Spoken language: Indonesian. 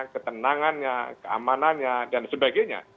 ketenangannya keamanannya dan sebagainya